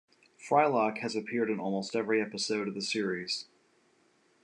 Frylock has appeared in almost every episode of the series.